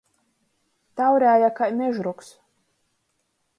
Taurēja kai mežrogs.